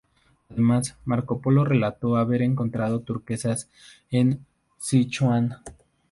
Además, Marco Polo relató haber encontrado turquesas en Sichuan.